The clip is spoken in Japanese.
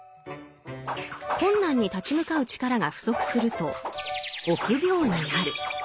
困難に立ち向かう力が不足すると「臆病」になる。